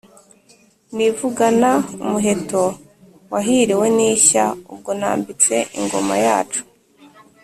Nivugana umuheto wahiliwe n’ishya ubwo nambitse ingoma yacu.